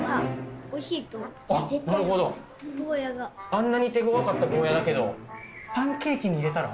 あんなに手ごわかったゴーヤだけどパンケーキに入れたら？